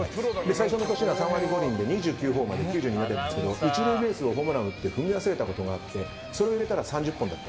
最初の年が３割２厘で２９ホーマーで９２打点なんですが１塁ベースを踏み忘れたことがあってそれを入れたら３０本だった。